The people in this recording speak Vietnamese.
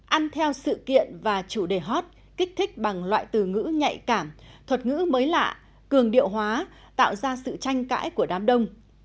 ăn theo sự kiện và chủ đề hot kích thích bằng loại từ ngữ nhạy cảm thuật ngữ mới lạ cường điệu hóa tạo ra sự tranh cãi của đám đông